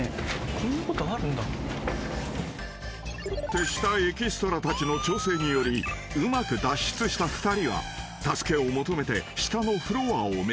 ・［手下エキストラたちの調整によりうまく脱出した２人は助けを求めて下のフロアを目指す］